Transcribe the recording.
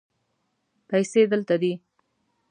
پیسې دلته دي